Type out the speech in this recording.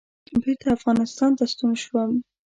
بېرته افغانستان ته ستون شوم.